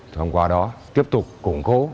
thông qua đó tiếp tục củng cố